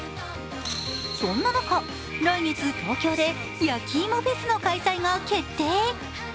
そんな中、来月、東京でやきいもフェスの開催が決定。